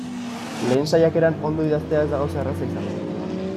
Lehen saiakeran ondo idaztea ez da gauza erraza izaten.